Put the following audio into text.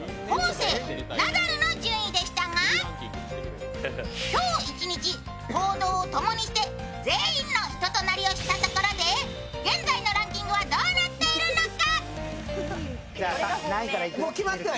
生、ナダルの順位でしたが今日一日行動を共にして全員の人となりを知ったところで現在のランキングはどうなっているのか？